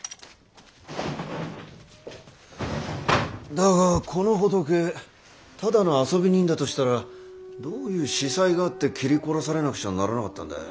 だがこの仏ただの遊び人だとしたらどういう子細があって斬り殺されなくちゃならなかったんだ？